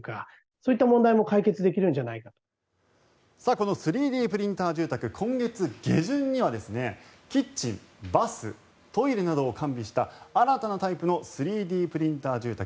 この３Ｄプリンター住宅今月下旬には、キッチンバス、トイレなどを完備した新たなタイプの３Ｄプリンター住宅